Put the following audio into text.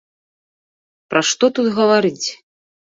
Пра што тут гаварыць!